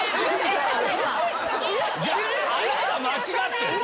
あなた間違ってる。